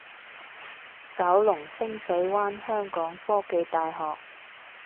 九龍清水灣香港科技大學